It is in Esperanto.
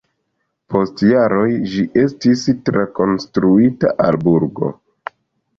Post jaroj ĝi estis trakonstruita al burgo.